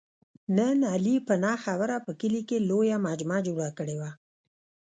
نن علي په نه خبره په کلي لویه مجمع جوړه کړې وه.